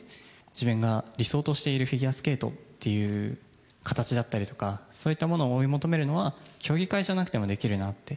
自分が理想としているフィギュアスケートっていう形だったりとか、そういったものを追い求めるのは、競技会じゃなくてもできるなって。